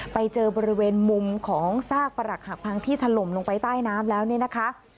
ไปเจอบริเวณมุมของซากประหลักหักพังที่ถล่มลงไปใต้น้ำแล้วเนี่ยนะคะ